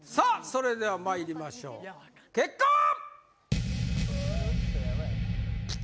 それではまいりましょう結果は！